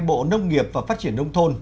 bộ nông nghiệp và phát triển đông thôn